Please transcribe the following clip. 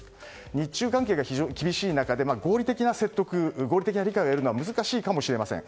日中関係が厳しい中で合理的な理解を得るのは難しいかもしれません。